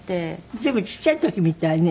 随分ちっちゃい時みたいね。